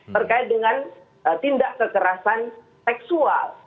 terkait dengan tindak kekerasan seksual